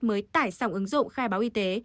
mới tải xong ứng dụng khai báo y tế